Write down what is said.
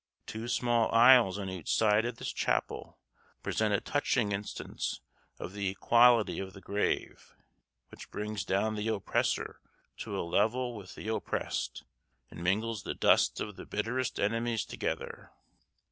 Two small aisles on each side of this chapel present a touching instance of the equality of the grave, which brings down the oppressor to a level with the oppressed and mingles the dust of the bitterest enemies together.